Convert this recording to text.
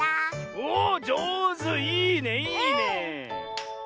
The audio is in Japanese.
おおっじょうずいいねいいねえ。